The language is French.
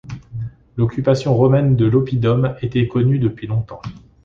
L'occupation romaine de l'oppidum était connue depuis longtemps.